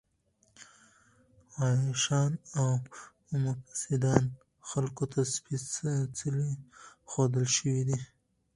عياشان او مفسدان خلکو ته سپېڅلي ښودل شوي دي.